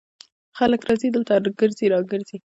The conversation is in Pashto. خلک راځي دلته ګرځي را ګرځي.